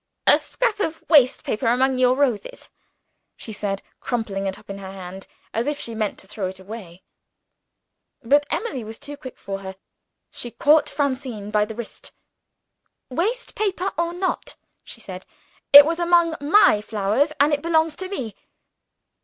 "A scrap of waste paper among your roses," she said, crumpling it up in her hand as if she meant to throw it away. But Emily was too quick for her. She caught Francine by the wrist. "Waste paper or not," she said; "it was among my flowers and it belongs to me."